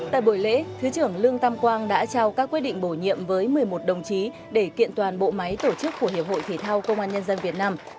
tại buổi lễ thứ trưởng lương tam quang đã trao các quyết định bổ nhiệm với một mươi một đồng chí để kiện toàn bộ máy tổ chức của hiệp hội thể thao công an nhân dân việt nam